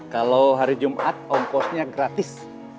kalau hari jumat ongkosnya gratis